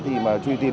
thì mà truy tìm